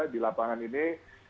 di lapangan ini